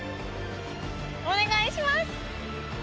お願いします！